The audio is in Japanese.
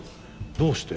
どうして？